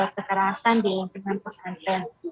kekerasan di musim pesantren